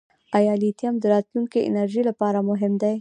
آیا لیتیم د راتلونکي انرژۍ لپاره مهم دی؟